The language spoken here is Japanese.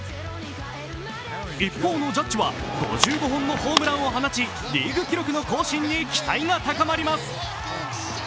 一方のジャッジは、５５本のホームランを放ちリーグ記録の更新に期待が高まります。